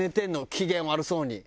機嫌悪そうに。